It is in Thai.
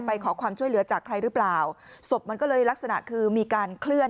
ขอความช่วยเหลือจากใครหรือเปล่าศพมันก็เลยลักษณะคือมีการเคลื่อน